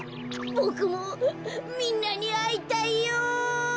ボクもみんなにあいたいよ。